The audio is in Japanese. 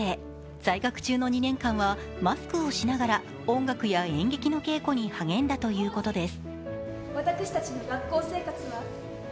在学中の２年間はマスクをしながら音楽や演劇の稽古に励んだということです。